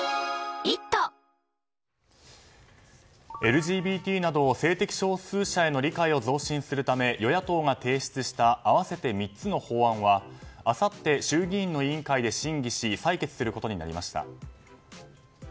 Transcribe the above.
ＬＧＢＴなど性的少数者への理解を増進するため与野党が提出した合わせて３つの法案はあさって衆議院の委員会で審議し採決することになりました。